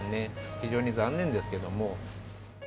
非常に残念ですけれども。